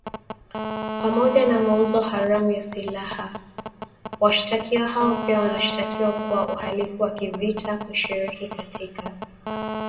Pamoja na mauzo haramu ya silaha, washtakiwa hao pia wanashtakiwa kwa uhalifu wa kivita, kushiriki katika harakati za uasi na kushirikiana na wahalifu